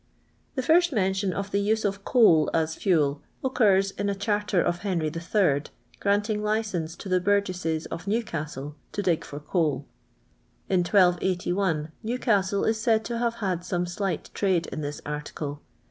The first mention of the use of coal as fuel occurs in a charter of Henry III., granting licence to the burgesses of Newcastle to dig for coal. In 1281 Newcastle is s:iid to have had some slight trade in this article.